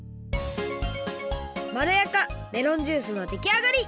まろやかメロンジュースのできあがり！